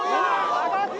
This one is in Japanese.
上がった！